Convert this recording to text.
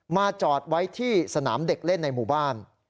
จอดไว้ที่สนามเด็กเล่นในหมู่บ้าน